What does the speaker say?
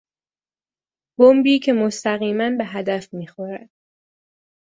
بمبی که مستقیما به هدف میخورد